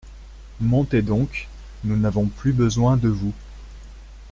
Montez donc, nous n'avons plus besoin de vous.